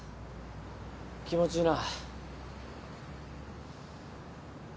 気持ちいいな。